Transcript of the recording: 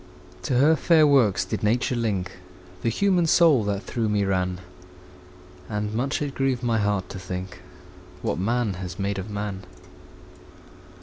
To her fair works did Nature link The human soul that through me ran; And much it grieved my heart to think What man has made of man.